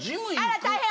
あら大変！